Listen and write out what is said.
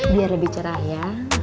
biar lebih cerah ya